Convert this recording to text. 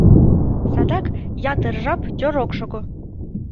Садак ятыр жап тӧр ок шого.